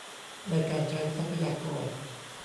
ในการใช้ทรัพยากร